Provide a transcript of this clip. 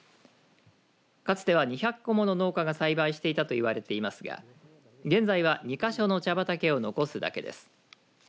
かつては２００戸もの農家が栽培していたといわれていますが現在は２か所の茶畑を残すだけです。